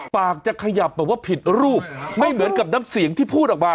ปากจะขยับแบบว่าผิดรูปไม่เหมือนกับน้ำเสียงที่พูดออกมา